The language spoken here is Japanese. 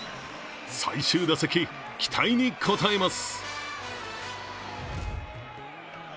最終打席、期待に応えます。